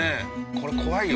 これ怖いよ！